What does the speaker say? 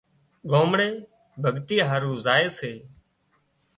ڳامڙي ڀڳتي هارو زائي سي